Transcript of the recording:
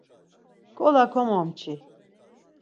Nǩola komomçi.